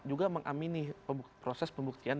juga mengamini proses pembuktian